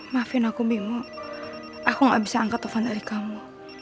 maafin aku bingung aku gak bisa angkat telepon dari kamu